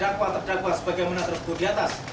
menghukum terdakwa terdakwa sebagai mana tersebut di atas